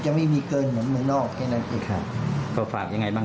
จะไม่มีเกินเมืองนอกแค่นั้นอีกค่ะเขาฝากยังไงบ้าง